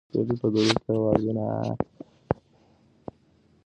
شپېلۍ په درو کې اواز کوي.